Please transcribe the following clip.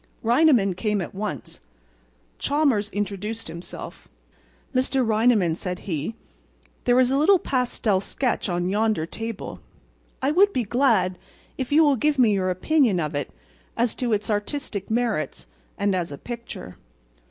Reineman came at once. Chalmers introduced himself. "Mr. Reineman," said he, "there is a little pastel sketch on yonder table. I would be glad if you will give me your opinion of it as to its artistic merits and as a picture."